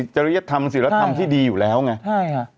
จริยธรรมสิรธรรมที่ดีอยู่แล้วไง